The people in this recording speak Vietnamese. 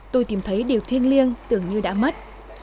tôi tìm thấy điều thiêng liêng tưởng như đã mất